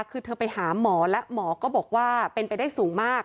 คือเธอไปหาหมอและหมอก็บอกว่าเป็นไปได้สูงมาก